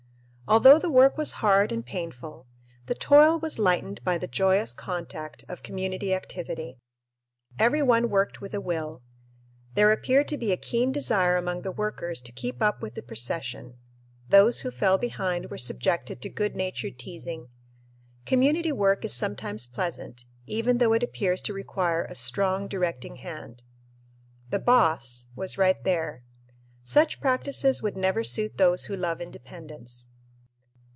Although the work was hard and painful, the toil was lightened by the joyous contact of community activity. Every one worked with a will. There appeared to be a keen desire among the workers to keep up with the procession. Those who fell behind were subjected to good natured teasing. Community work is sometimes pleasant, even though it appears to require a strong directing hand. The "boss" was right there. Such practices would never suit those who love independence.